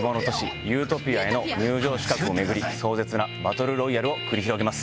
ユートピアへの入場資格を巡り壮絶なバトルロイヤルを繰り広げます。